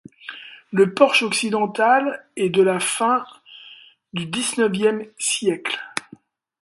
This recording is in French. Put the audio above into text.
Le porche occidental est de la fin su Xixe siècle.